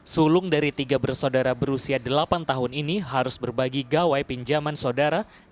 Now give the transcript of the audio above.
sulung dari tiga bersaudara berusia delapan tahun ini harus berbagi gawai pinjaman saudara